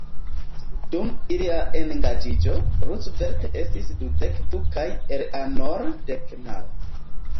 Dum ilia engaĝiĝo, Roosevelt estis dudek du kaj Eleanor dek naŭ.